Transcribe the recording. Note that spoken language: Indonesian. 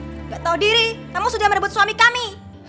tidak tahu diri kamu sudah merebut suami kami